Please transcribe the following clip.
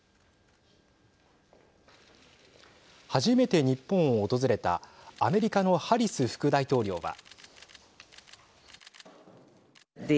初めて日本を訪れたアメリカのハリス副大統領は。